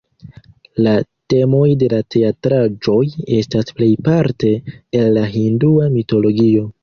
La temoj de la teatraĵoj estas plejparte el la hindua mitologio.